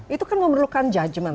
itu kan memerlukan judgement